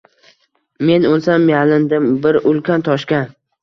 Men bo’lsam yalindim bir ulkan toshga: